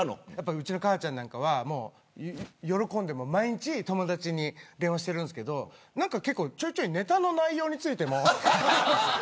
うちの母ちゃんなんかは喜んで毎日友達に電話してるんですけどちょいちょいネタの内容についても。